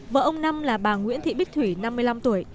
vợ ông năm là bà nguyễn thị bích thủy năm mươi năm tuổi